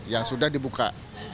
yang sudah dibuka